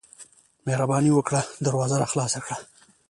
مهرباني وکړه دروازه راخلاصه کړه.